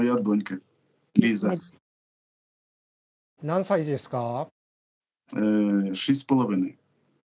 ・何歳ですか？